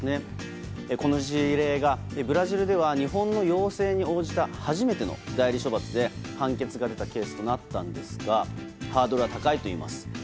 この事例がブラジルでは日本の要請に応じた初めての代理処罰で判決が出たケースとなったんですがハードルは高いといいます。